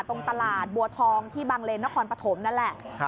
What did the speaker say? ตรงตลาดบัวทองที่บางเลนนครปฐมนั่นแหละ